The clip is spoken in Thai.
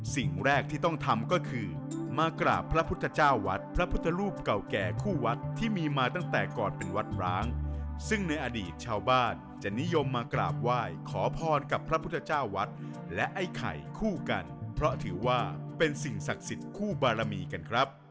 สิ่งแรกที่ต้องทำก็คือมากราบพระพุทธเจ้าวัดพระพุทธรูปเก่าแก่คู่วัดที่มีมาตั้งแต่ก่อนเป็นวัดร้างซึ่งในอดีตชาวบ้านจะนิยมมากราบไหว้ขอพรกับพระพุทธเจ้าวัดและไอ้ไข่คู่กันเพราะถือว่าเป็นสิ่งศักดิ์สิทธิ์คู่บารมีกันครับ